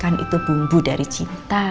makan itu bumbu dari cinta